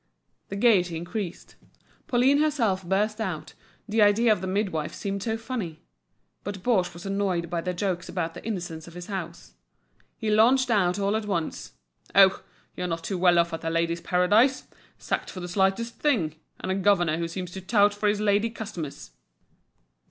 The gaiety increased; Pauline herself burst out, the idea of the midwife seemed so funny. But Baugé was annoyed by the jokes about the innocence of his house. He launched out all at once: "Oh, you're not too well off at The Ladies' Paradise. Sacked for the slightest thing! And a governor who seems to tout for his lady customers."